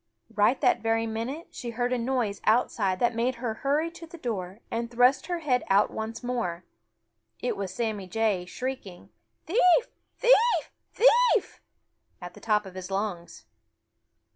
Right that very minute she heard a noise outside that made her hurry to the door and thrust her head out once more. It was Sammy Jay, shrieking: "Thief! Thief! Thief!" at the top of his lungs.